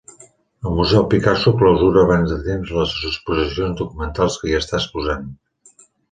El Museu Picasso clausura abans de temps les exposicions documentals que hi està exposant